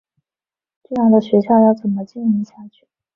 这样的学校要怎么经营下去？